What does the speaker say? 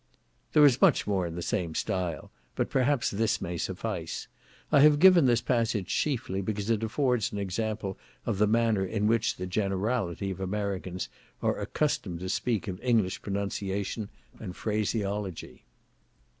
There is much more in the same style, but, perhaps, this may suffice. I have given this passage chiefly because it affords an example of the manner in which the generality of Americans are accustomed to speak of English pronunciation and phraseology.